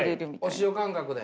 お塩感覚で？